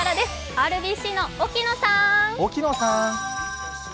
ＲＢＣの沖野さん！